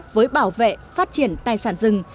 với bảo vệ phát triển tài sản rừng